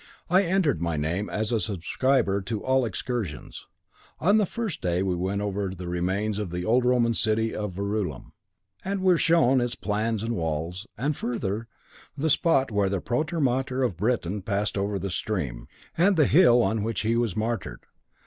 I entered my name as a subscriber to all the excursions. On the first day we went over the remains of the old Roman city of Verulam, and were shown its plan and walls, and further, the spot where the protomartyr of Britain passed over the stream, and the hill on which he was martyred.